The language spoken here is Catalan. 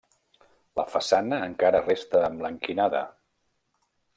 La façana encara resta emblanquinada.